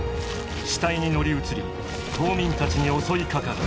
死体に乗り移り島民たちに襲いかかる。